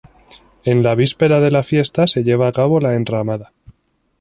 En la víspera de la fiesta se lleva a cabo la enramada.